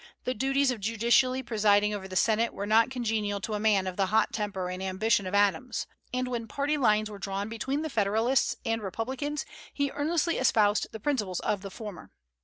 The duties of judicially presiding over the Senate are not congenial to a man of the hot temper and ambition of Adams; and when party lines were drawn between the Federalists and Republicans he earnestly espoused the principles of the former.